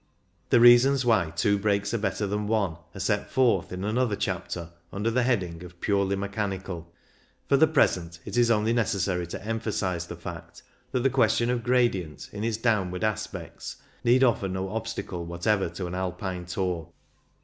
The reasons why two brakes are better than one are set forth in another chapter, under the heading of" Purely Mechanical. For the present, it is only necessary to emphasise the fact that the question of gradient, in its downward aspects, need offer no obstacle whatever to an Alpine tour.